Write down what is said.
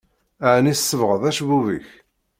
Aɛni tsebɣeḍ acebbub-ik?